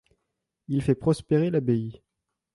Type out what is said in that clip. Il fait prospérer l'abbaye.